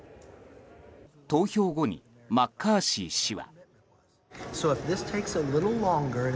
投票後にマッカーシー氏は。